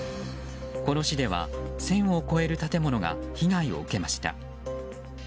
この市では１０００を超える建物が被害を受けました。